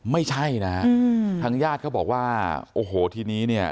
ไม่ใช่นะฮะทางญาติเขาบอกว่าโอ้โหทีนี้เนี่ย